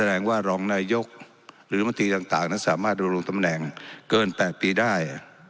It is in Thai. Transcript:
แสดงว่ารองนายกหรือมนตรีต่างนั้นสามารถดำรงตำแหน่งเกิน๘ปีได้